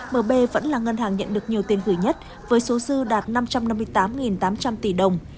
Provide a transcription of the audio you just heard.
mb vẫn là ngân hàng nhận được nhiều tiền gửi nhất với số dư đạt năm trăm năm mươi tám tám trăm linh tỷ đồng